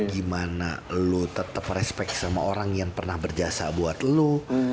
gimana lu tetap respect sama orang yang pernah berjasa buat lo